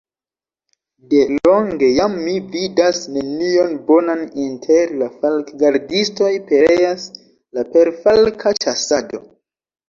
De longe jam mi vidas nenion bonan inter la falkgardistoj, pereas la perfalka ĉasado!